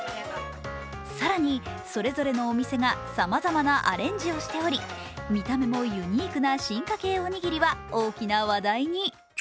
更にそれぞれのお店がさまざまなアレンジをしており見た目もユニークな進化系おにぎりは大きな話題に。